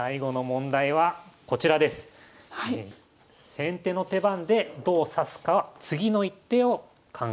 先手の手番でどう指すか次の一手を考えてください。